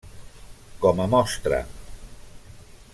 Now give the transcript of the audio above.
Com a mostra.